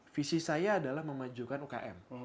visi saya adalah memajukan ukm